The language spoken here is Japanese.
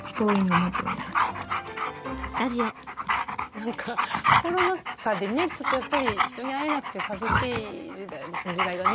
何かコロナ禍でねちょっとやっぱり人に会えなくて寂しい時代がね